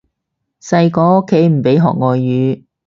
細個屋企唔俾學外語